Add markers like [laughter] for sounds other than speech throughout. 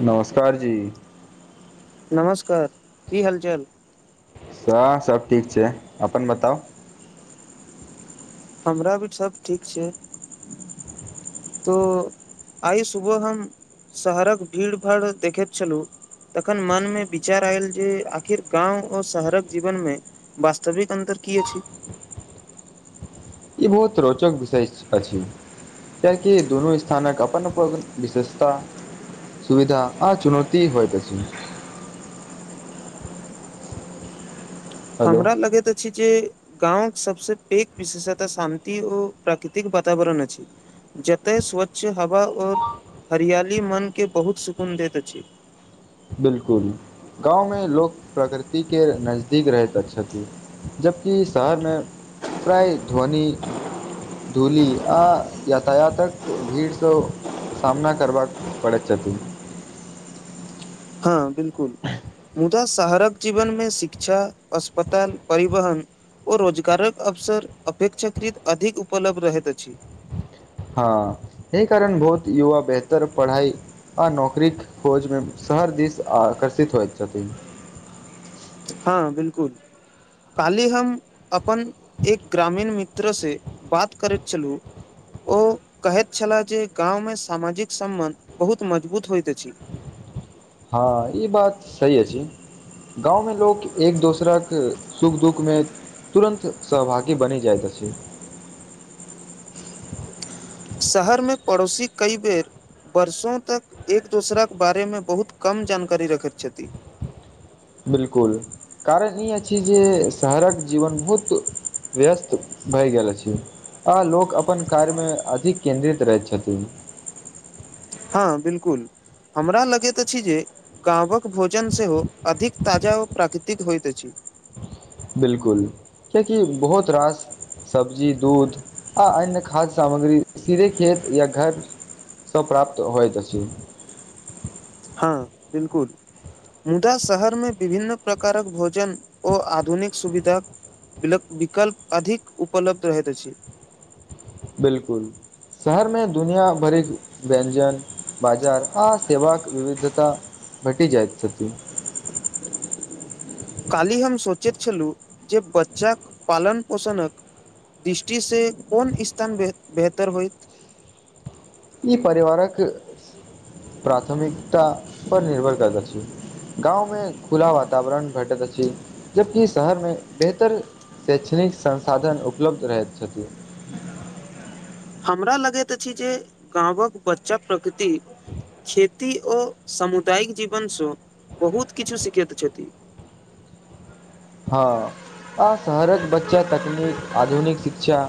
नमस्कार जी नमस्कार की हाल चाल सएह सब ठीक छै अपन बताउ हमरा भी सब ठीक छै तो आइ सुबह हम शहरक भीड़ भाड़ देखैत छलहुँ तखन मनमे विचार आयल जे आखिर गाँव आ शहरक जीवनमे वास्तविक अन्तर की अछि ई बहुत रोचक विषय अछि कियाकि दुनू स्थानक अपन अपन विशेषता सुविधा आ चुनौती होइत अछि हेलो हमरा लगैत अछि जे गाँंवक सबसँ पेघ विशेषता शान्ति ओ प्राकृतिक वातावरण अछि जतेय स्वच्छ हवा आओर हरियाली मन के बहुत सुकून देैत अछि बिल्कुल गाँवमे लोक प्रकृति के नजदीक रहैत छथि जबकि शहरमे प्राय ध्वनि धूली आ यातायातक भीड़सँ सामना करबाक पड़ैत छथि हँ बिल्कुल मुदा शहरक जीवन मे शिक्षा अस्पताल परिवहन ओ रोजगारक अवसर अपेक्षाकृत अधिक उपलब्ध रहैत अछि हँ अहि कारण बहुत युवा बेहतर पढ़ाइ आ नौकरी खोज में शहर दिस आकर्षित होइत छथिन हँ बिल्कुल काल्हि हम अपन एक ग्रामीण मित्रसँ बात करैत छलु ओ कहैत छलाह जे गाँवमे सामाजिक सम्बन्ध बहुत मजबूत होइत अछि। हँ ई बात सही अछि गाँवमे लोक एक दोसरक सुख दुःखमे तुरन्त सहभागी बनि जाइत अछि शहरमे पड़ोसी कई बेर वर्षों तक एक दोसरक बारे मे बहुत कम जानकारी रखैत छथि बिल्कुल कारण ई अछि जे शहरक जीवन बहुत व्यस्त भए गेल अछि आ लोक अपन कार्य मे अधिक केन्द्रित रहैत छथिन हँ बिल्कुल हमरा लगैत अछि जे गावँक भोजन सेहो अधिक ताजा ओ प्राकृतिक होइत अछि बिल्कुल कियाकि बहुत रास सब्जी दूध आ अन्य खाद्य सामग्री सीधे खेत या घर स प्राप्त होइत अछि हँ बिल्कुल मुदा शहर मे विभिन्न प्रकारक भोजन ओ आधुनिक सुविधक विकल्प अधिक उपलब्ध रहैत अछि बिल्कुल शहरमे दुनिया भरिक व्यञ्जंन बाजार आ सेवाक विविधता भेटि जाइत छथि काल्हि हम सोचैत छलु जे बच्चाक पालन पोषणक दृष्टि से कोन इस्थान बेहत बेहतर होइत ई परिवारक प्राथमिकता पर निर्भर करैत अछि गाँव में खुला वातावरण भेटत अछि जबकि शहरमे बेहतर शैक्षणिक संसाधन उपलब्ध रहैत छथि हमरा लगैत अछि जे गाँवक बच्चा प्रकृति खेती ओ सामुदायिक जीवनसँ बहुत किछो सीखैत छथि हँ आ शहरक बच्चा तकनीक आधुनिक शिक्षा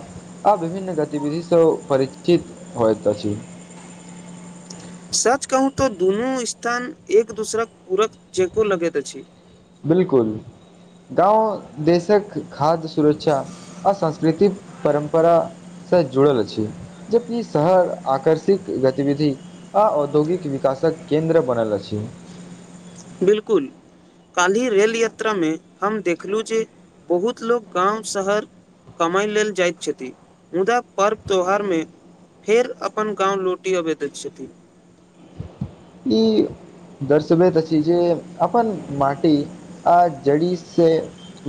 आ विभिन्न गतिविधि स परिचित होइत अछि सच कहू तो दुनू स्थान एक दोसरक पूरक चको लगैत अछि बिल्कुल गाँव देशक खाद्य सुरक्षा आ संस्कृतिक परम्परा स जुड़ल अछि जबकि शहर आकर्षिक गतिविधि आ औद्योगिक विकासक केन्द्र बनल अछि बिल्कुल काल्हि रेल यात्रामे हम देखलौ जे बहुत लोक गाँव शहर कमाय लेल जाइत छथि मुदा पर्व त्योहार मे फेर अपन गाँव लौटि अबैत छथि। ई। दर्शबैत छी जे अपन माटी आ जड़ि से।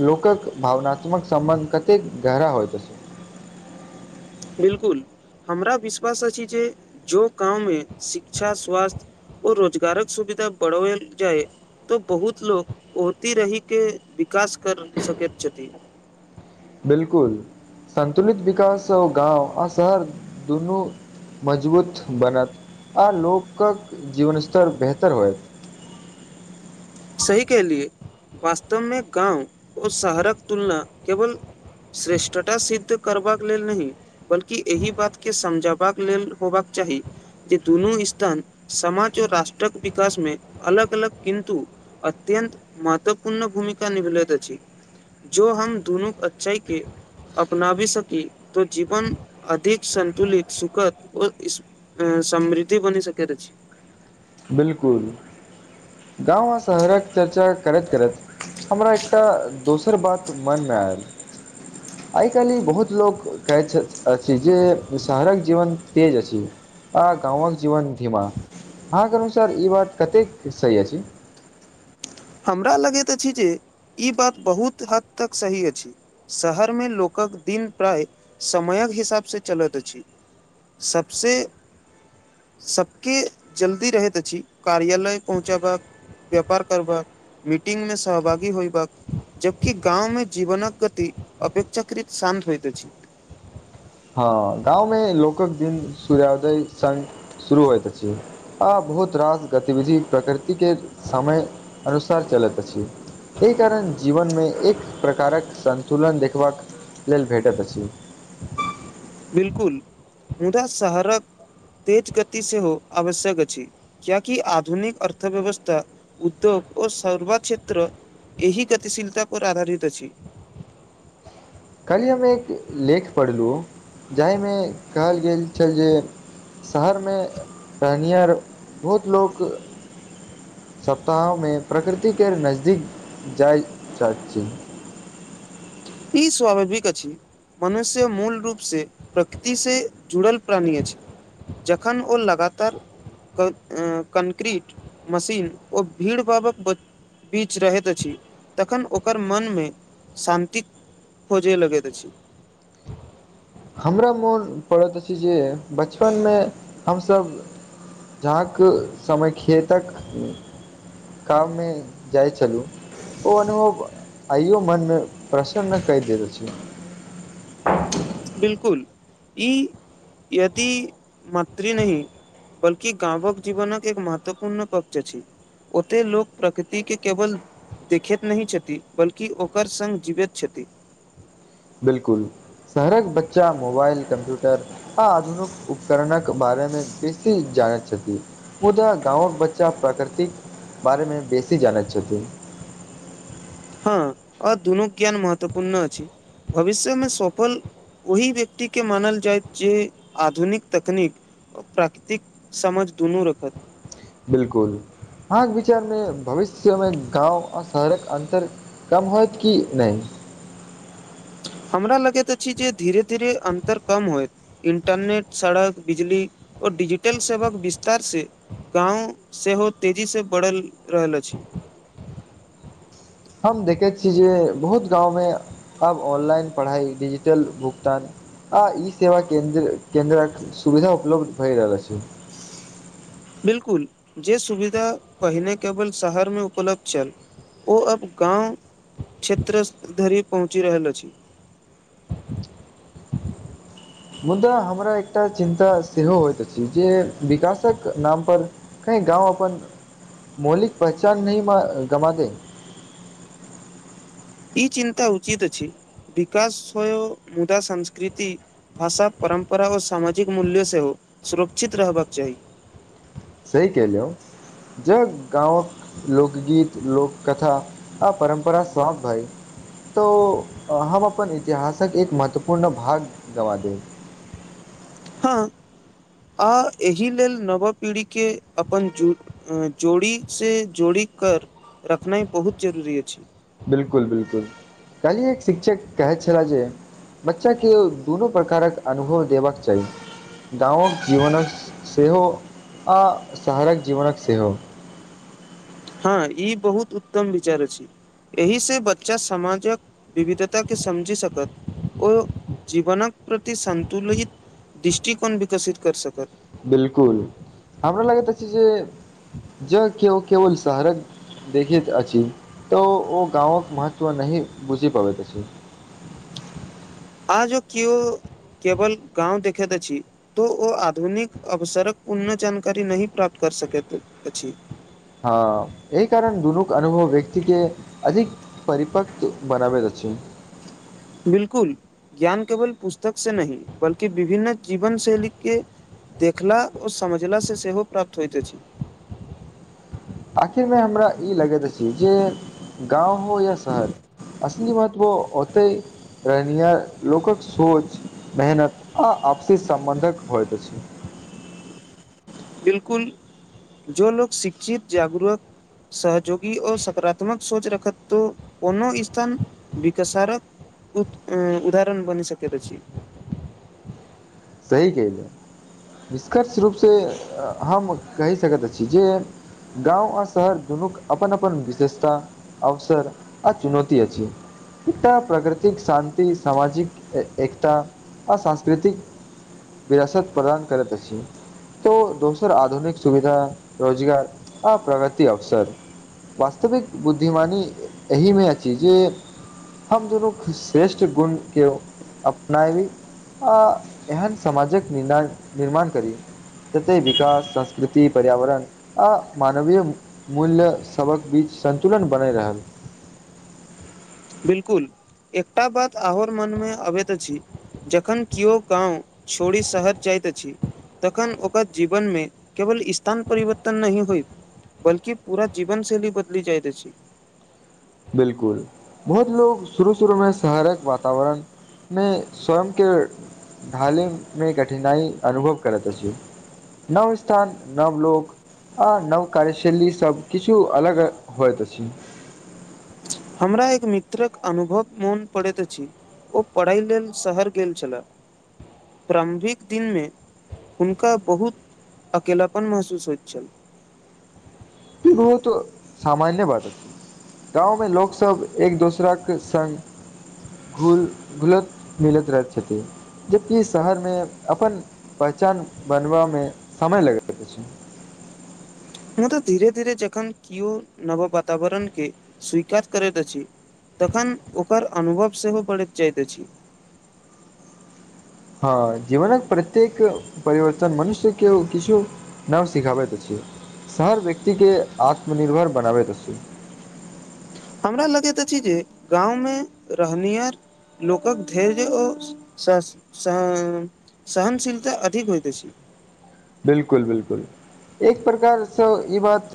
लोकक भावनात्मक सम्बन्ध कतेक गहीर होइ छै। बिल्कुल, हमरा विश्वास अछि जे गाँवमे शिक्षा, स्वास्थ्य ओ रोजगारक सुविधा बढ़ैत जाइ। तऽ बहुत लोक ओतहि रहि के विकास कऽ सकै छथि। बिल्कुल, संतुलित विकास गाँव आ शहर दुनू। मजबूत बनत आ लोकक जीवन स्तर बेहतर होयत। सही कहलियै, वास्तवमे गाँव आ शहरक तुलना केवल श्रेष्ठता सिद्ध करबाक लेल नहि, बल्कि एहि बातके समझबाक। लेल होबाक चाही। जे दुनू स्थान समाज आ राष्ट्रक विकासमे अलग-अलग, किन्तु अत्यंत महत्वपूर्ण भूमिका निभबैत अछि। जे हम दुनू अच्छाईके अपना सकी तऽ जीवन अधिक संतुलित, सुखद। आ समृद्ध बनि सकै रहै छै। बिल्कूल। गाँव आ शहरक चर्चा करैत-करैत। हमरा एकटा दोसर बात मोनमे आयल। [inaudible] आइ-काल्हि बहुत लोक कहैत अछि जे शहरक जीवन तेज अछि। आ गाँवक जीवन धीमा, हँ? एकर अनुसार ई बात कतेक सही अछि? हमरा लगैत अछि जे ई बात बहुत हद तक सही अछि। शहरमे लोकक दिन प्राय समयक हिसाबसँ चलैत अछि। सभसँ सभके जल्दी रहैत अछि कार्यालय पहुँचब। व्यापार करबाक, मीटिंगमे सहभागी होयब। जखन कि गाँवमे जीवनक गति अपेक्षाकृत शान्त होइत अछि। हँ, गाँवमे लोकक दिन सूर्योदयसँ शुरू होइत अछि। आ बहुत रास गतिविधि प्रकृतिक समय अनुसार चलैत अछि। एहि कारण जीवनमे एक प्रकारक सन्तुलन देखबाक। लेल भेटैत अछि। बिल्कूल मुदा शहरक तेज गति सेहो आवश्यक अछि। किएक तऽ आधुनिक अर्थव्यवस्था, उद्योग आ सेवा क्षेत्र एहि गतिशीलता पर आधारित अछि। काल्हि हम एकटा लेख पढ़लहुँ, जाहिमे कहल गेल छल जे शहरमे रहनिहार बहुत लोक सप्ताहमे प्रकृतिक नजदीक जाय चाही। ई स्वाभाविक अछि। मनुष्य मूल रूपसँ प्रकृतिसँ जुड़ल प्राणी छै। जखन ओ लगातार। कंक्रीट, मशीन ओ भीड़-भाड़क। बीच रहैत अछि, तखन ओकर मनमे शान्ति। खोजै लगैत अछि। हमरा मोन पड़ैत अछि जे बचपनमे हमसभ। जहाँक समय खेतक। काम मे जाइ छलू। ओ अनुभव आइयो मोनमे प्रसन्नता भरि दैत अछि। बिल्कुल, ई यति माटी नहि। बल्कि गावक जीवन एक महत्वपूर्ण पक्ष छी ओते लोक प्रकृति के केवल देखेत नहि छथि बल्कि ओकर संग जीवेत छथि बिलकुल शहरक बच्चा मोबाइल कम्प्यूटर आ आधुनिक उपकरणक बारेमे बेसी जानैत छथि मुदा गाँंवक बच्चा प्राकृतिक बारेमे बेसी जानैत छथिन हँ आ दुनू ज्ञान महत्वपूर्ण अछि भविष्यमें सोफल ओहि व्यक्तिके मानल जाय जे आधुनिक तकनीक व प्राकृतिक समझ दुनू रखत बिलकुल, अहाँक विचारमे भविष्यमे गाँव आ शहरक अन्तर कम होयत कि नहि? हमरा लगैत अछि जे धीरे-धीरे अन्तर कम होइत इंटरनेट, सड़क, बिजली आ डिजिटल सेवाक विस्तार से गाँंव सेहो तेजी से बढ़ल रहल अछि हम देखै छीये जे बहुत गाँंव मे अब ऑनलाइन पढ़ाई डिजिटल भुगतान आ ई सेवा के केन्द्रक सुविधा उपलब्ध भए रहल अछि बिल्कुल जे सुविधा पहिने केवल शहर में उपलब्ध छल ओ अब गाँव क्षेत्रस धरि पहुँचि रहल अछि [unintelligible] [unintelligible] मुदा हमरा एकटा चिन्ता सेहो होइत अछि जे विकासक नाम पर क गाँव अपन मौलिक पहचान नहि ग गमा दे ई चिन्ता उचित अछि विकास होय मुदा संस्कृति भाषा परम्परा आ सामाजिक मूल्य सेहो सुरक्षित रहबाक चाही सही कहलौ जब गाँव लोकगीत, लोककथा आ परम्परा सभक सेहो तऽ हम अपन इतिहासक एक महत्वपूर्ण भाग गँवा देब। हँ, आ एहि लेल नव पीढ़ीके अपन जोड़ी सँ जोड़ी कऽ राखनाइ बहुत जरूरी अछि। बिल्कुल बिल्कुल कहली एक शिक्षक कहै छला जे बच्चा के दुनू प्रकारक अनुभव देबक चाही गाँवक जीवनक सेहो आ शहरक जीवनक सेहो हँ ई बहुत उत्तम विचार अछि एहि सँ बच्चा समाजक विविधताके बुझि सकत। ओ जीवनक प्रति संतुलित दृष्टिकोन विकसित कर सकत बिलकुल हमरा लागैत अछि जे जग केयो केवल शहरक देखित अछी तऽ ओ गाँवक महत्व नहि बुझि पाबैत अछि। आ जो किओ केवल गाँंव देखत अछि तऽ ओ आधुनिक अवसरक पूर्ण जानकारी नहि प्राप्त कऽ सकत। हँ एहि कारण दुनूके अनुभव व्यक्ति के अधिक परिपकव बनाबैत अछि बिलकुल, ज्ञान केवल पुस्तक सँ नहि, बल्कि विभिन्न जीवन शैलीके देखला आ बुझला सँ सेहो प्राप्त होइत अछि। आखिर में हमरा ई लगैत अछि जे गाँव हो या शहर असली महत्व औते रहनिय लोकक सोच मेहनत आ आपसी सम्बन्धक होइत अछि बिलकुल जो लोग शिक्षित जागुरक सहजोगी आ सकारात्मक सोच रखत तऽ कोनो स्थान विकासक एक उदाहरण बनि सकैत अछि। सही केले निष्कर्ष रूपसँ हम कहि सकैत छी जे गाँव आ शहर दुनूक अपन अपन विशेषता अवसर आ चुनौती अछि एकटा प्राकृतिक शान्ति सामाजिक एकता आ सांस्कृतिक विरासत प्रदान करैत अछि तो दोसर आधुनिक सुविधा रोजगार आ प्रगति अवसर वास्तविक बुद्धिमानी एहिमे अछि जे हम दुनू श्रेष्ठ गुण के अपनायी आ एहन समाजक निर्माण करी। जते विकास संस्कृति पर्यावरण आ मानवीय मूल्य सबक बीच संन्तुलन बनय रहल बिलकुल, एकटा बात आओर मनमे अबैत अछि। जखन किओ गाँंव छोड़ी शहर जाइत अछि तखन ओकर जीवनमे केवल स्थान परिवर्तन नहि होयत बल्कि पूरा जीवन शैली बदली जाइत अछि बिलकुल, बहुत लोक शुरू-शुरूमे शहरक वातावरण मे स्वयं के ढाले मे कठिनाई अनुभव करैत अछि नव स्थान नव लोक आ नव कार्यशैली सभ किछु अलग होइत अछि। हमरा एक मित्रक अनुभव मोन पड़ैत अछि ओ पढ़ै लेल शहर गेल छलै प्रारम्भिक दिनमे। हुनका बहुत अकेलापन महसूस होइत छल। ई बहुत सामान्य बात अछि गाँवमे लोक एक-दोसराक संग घुल घुलैत मिलैत रहैत छथि जबकि शहरमे अपन पहचान बनबामे समय लगैत अछि मुदा धीरे धीरे जखन केओ नव वातावरण के स्वीकार करैत अछि तखन ओकर अनुभव सेहो बढ़ैत जाइत अछि। हँ जीवनक प्रत्येक परिवर्तन मनुष्य केओ किछो नव सिखाबैत अछि शहर व्यक्ति के आत्मनिर्भर बनाबैत अछि हमरा लगैत अछि जे गाँवमे रहनिहार लोकक धैर्य ओ स सँ सहनशीलता अधिक होइत अछि बिलकुल बिलकुल एक प्रकारसँ ई बात